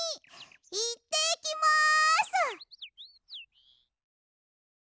いってきます！